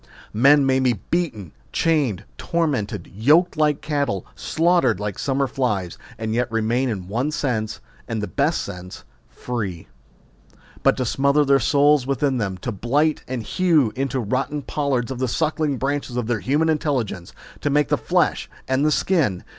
Men may be beaten, chained, tormented, yoked like cattle, slaughtered like summer flies, and yet remain in one sense, and the best sense, free. But to smother their souls within them, to blight and hew into rotting pollards the suckling branches of their human intelligence, to make the flesh and skin